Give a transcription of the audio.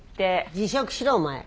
辞職しろお前。